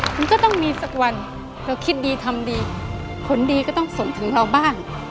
คุณก็ต้องมีสักวันเราคิดดีทำดีผลดีก็ต้องส่งถึงเราบ้าง